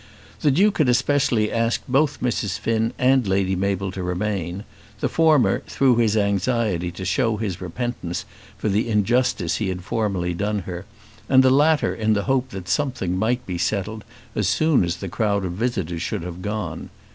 The Duke had especially asked both Mrs. Finn and Lady Mabel to remain, the former, through his anxiety to show his repentance for the injustice he had formerly done her, and the latter in the hope that something might be settled as soon as the crowd of visitors should have gone.